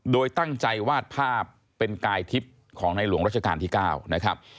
โดยตั้งใจวาดภาพเป็นกายทิพย์ของในหลวงรัชกาลที่๙นะครับ